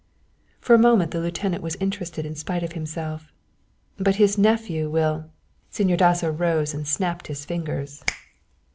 For a moment the lieutenant was interested in spite of himself. "But his nephew will " Señor Dasso rose and snapped his fingers.